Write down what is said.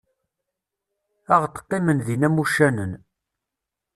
Ad ɣ-d-qqimen din am uccanen.